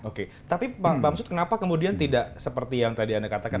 oke tapi bang bamsud kenapa kemudian tidak seperti yang tadi anda katakan